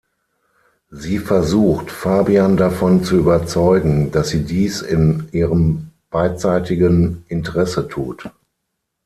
Sie versucht, Fabian davon zu überzeugen, dass sie dies in ihrem beidseitigen Interesse tut.